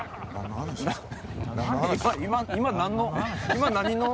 今何の。